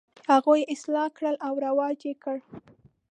هغوی یې اصلاح کړه او رواج یې کړ.